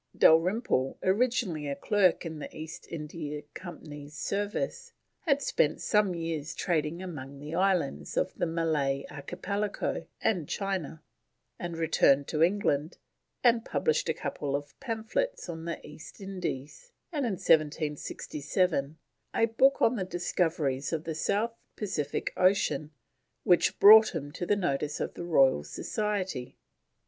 Dalrymple, originally a clerk in the East India Company's service, had spent some years trading amongst the islands of the Malay Archipelago and China, returned to England and published a couple of pamphlets on the East Indies, and in 1767 a book on the discoveries in the South Pacific Ocean, which brought him to the notice of the Royal Society.